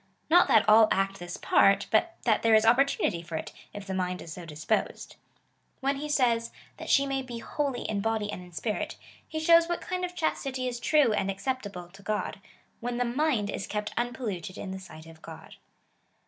Not that all act this part, but that there is opportunity for it, if the mind is so disposed. Wlien he says, that she may he holy in body and in spirit, he shows what kind of chastity is true and acceptable to God — when the mind is kept unpolluted in the sight of God.